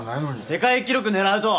世界記録狙うと。